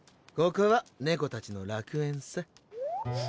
ここは猫たちの楽園さ。